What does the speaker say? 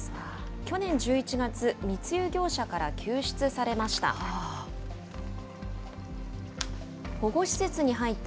去年１１月、密輸業者から救出されました。